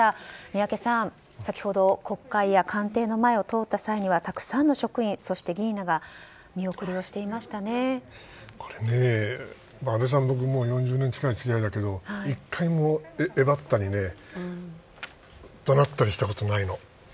宮家さん、先ほど国会や官邸の前を通った際にはたくさんの職員、そして議員らが安倍さん、僕４０年近い付き合いだけど１回も、えばったり怒鳴ったりしたことないの。